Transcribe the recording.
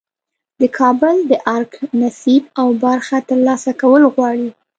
د کابل د ارګ نصیب او برخه ترلاسه کول غواړي.